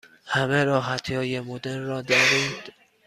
همه راحتی های مدرن را دارید؟